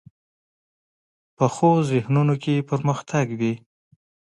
پخو ذهنونو کې پرمختګ وي